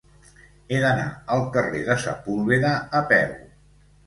He d'anar al carrer de Sepúlveda a peu.